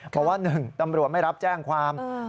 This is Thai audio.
บอกว่า๑ตำรวจไม่รับแจ้งความ